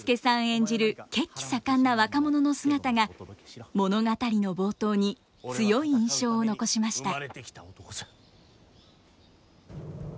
演じる血気盛んな若者の姿が物語の冒頭に強い印象を残しました。